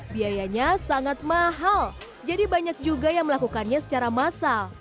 biayanya sangat mahal jadi banyak juga yang melakukannya secara massal